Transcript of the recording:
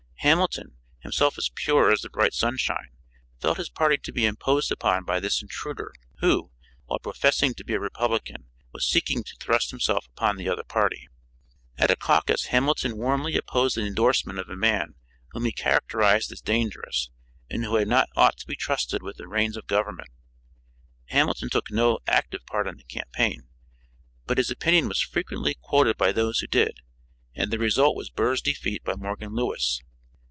Hamilton, himself as pure as the bright sunshine, felt his party to be imposed upon by this intruder who, while professing to be a Republican, was seeking to thrust himself upon the other party. At a caucus Hamilton warmly opposed the endorsement of a man whom he characterized as dangerous and who had not ought to be trusted with the reins of government. Hamilton took no active part in the campaign, but his opinion was frequently quoted by those who did, and the result was Burr's defeat by Morgan Lewis.